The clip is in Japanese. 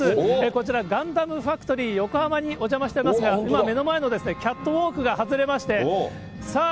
こちら、ガンダムファクトリーヨコハマにお邪魔してますが、今、目の前のキャットウォークが外れまして、さあ、